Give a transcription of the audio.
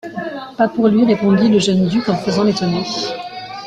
Pas pour lui!... répondit le jeune duc en faisant l’étonné.